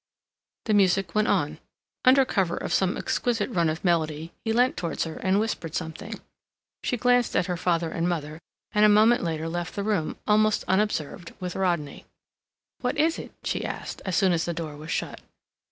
The music went on. Under cover of some exquisite run of melody, he leant towards her and whispered something. She glanced at her father and mother, and a moment later left the room, almost unobserved, with Rodney. "What is it?" she asked, as soon as the door was shut.